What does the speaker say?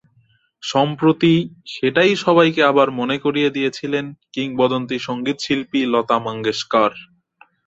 সম্প্রতি সেটাই সবাইকে আবার মনে করিয়ে দিয়েছিলেন কিংবদন্তি সংগীতশিল্পী লতা মঙ্গেশকর।